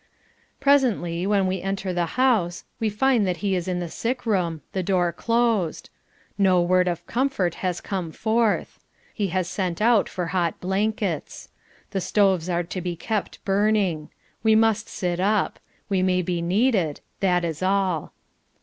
Presently, when we enter the house, we find that he is in the sick room the door closed. No word of comfort has come forth. He has sent out for hot blankets. The stoves are to be kept burning. We must sit up. We may be needed. That is all.